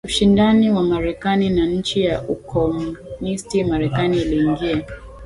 ushindani wa Marekani na nchi za ukomunisti Marekani iliingia